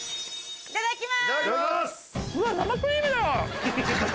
いただきます！